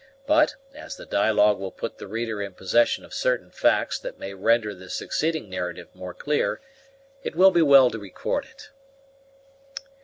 But, as the dialogue will put the reader in possession of certain facts that may render the succeeding narrative more clear, it will be well to record it.